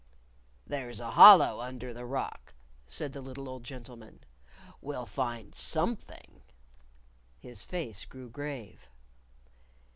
"There's a hollow under the Rock," said the little old gentleman. "We'll find something." His face grew grave.